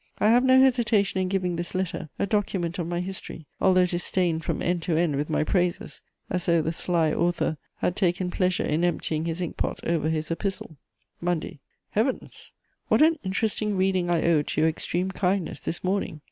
I have no hesitation in giving this letter, a document of my history, although it is stained from end to end with my praises, as though the sly author had taken pleasure in emptying his ink pot over his epistle: "Monday. "Heavens, what an interesting reading I owed to your extreme kindness this morning!